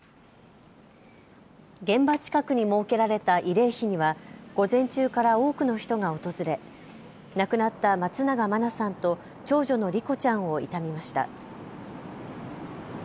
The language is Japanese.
現場近くに設けられた慰霊碑には午前中から多くの人が訪れ亡くなった松永真菜さんと長女の莉子ちゃんを悼みました。